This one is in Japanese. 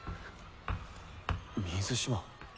水嶋。